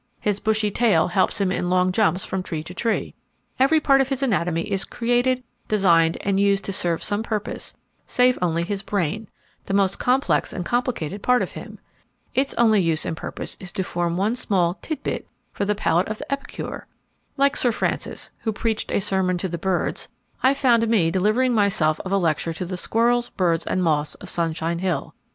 His bushy tail helps him in long jumps from tree to tree. Every part of his anatomy is created, designed and used to serve some purpose, save only his brain, the most complex and complicated part of him. Its only use and purpose is to form one small 'tidbit' for the palate of the epicure! Like Sir Francis, who preached a sermon to the birds, I found me delivering myself of a lecture to the squirrels, birds, and moths of Sunshine Hill.